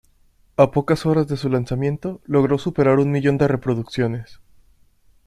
A pocas horas de su lanzamiento logró superar un millón de reproducciones.